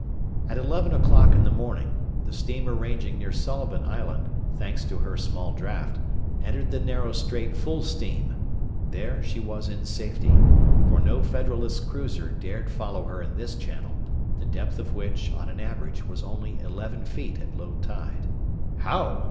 At eleven o'clock in the morning, the steamer ranging near Sullivan Island, thanks to her small draft, entered the narrow strait full steam; there she was in safety, for no Federalist cruiser dared follow her in this channel, the depth of which, on an average, was only eleven feet at low tide. "How!"